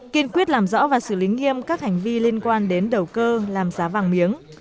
kiên quyết làm rõ và xử lý nghiêm các hành vi liên quan đến đầu cơ làm giá vàng miếng